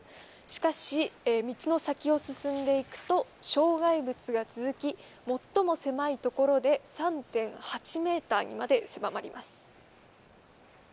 しかし、道の先を進んでみますと障害物が続き、最も狭いところで３．８ｍまで狭まります。